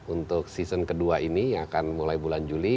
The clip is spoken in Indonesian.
untuk season kedua ini akan mulai bulan juli